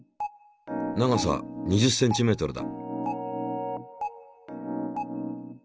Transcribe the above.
長さ２０ｃｍだ。